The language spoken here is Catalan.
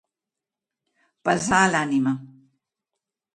Pesar a l'ànima.